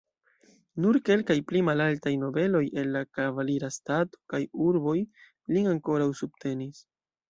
Nur kelkaj pli malaltaj nobeloj el la kavalira stato kaj urboj lin ankoraŭ subtenis.